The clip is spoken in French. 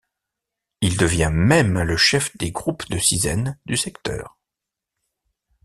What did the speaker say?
Il devient même le chef des groupes de sizaines du secteur.